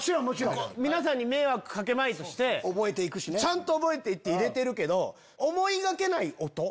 皆さんに迷惑かけまいとしてちゃんと覚えていって入れてるけど。